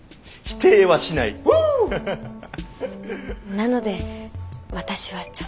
なので私はちょっと。